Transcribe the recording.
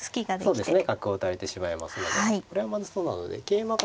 そうですね。